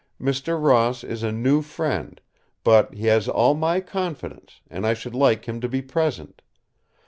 Mr. Ross is a new friend; but he has all my confidence, and I should like him to be present.